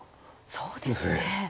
そうですね。